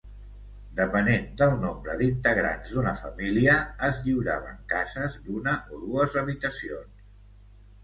Depenent del nombre d'integrants d'una família, es lliuraven cases d'una o dues habitacions.